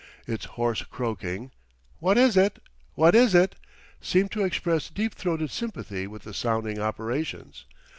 Its hoarse croaking, "What is it," "What is it," seemed to express deep throated sympathy with the sounding operations.